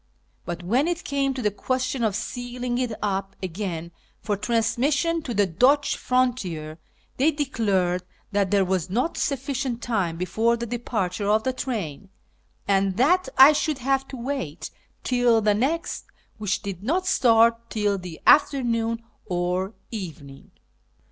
But when it came to the question of sealing it up again for transmission to the Dutch frontier, they declared that there was not sufficient time before the departure of the train, and that I should have to wait till the next, which did not start till the afternoon or evening.